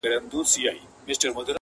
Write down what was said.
اوس په خوب کي هره شپه زه خوبان وینم.